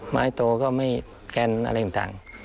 ไม้โตก็ไม่แกนอะไรต่าง